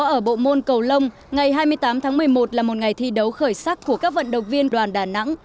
ở bộ môn cầu lông ngày hai mươi tám tháng một mươi một là một ngày thi đấu khởi sắc của các vận động viên đoàn đà nẵng